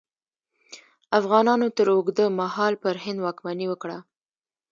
افغانانو تر اوږده مهال پر هند واکمني وکړه.